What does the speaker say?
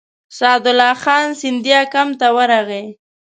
سعدالله خان سیندیا کمپ ته ورغی.